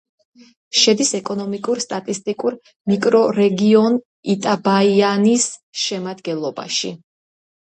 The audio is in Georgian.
შედის ეკონომიკურ-სტატისტიკურ მიკრორეგიონ იტაბაიანის შემადგენლობაში.